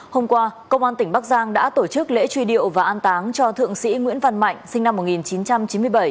hôm qua công an tỉnh bắc giang đã tổ chức lễ truy điệu và an táng cho thượng sĩ nguyễn văn mạnh sinh năm một nghìn chín trăm chín mươi bảy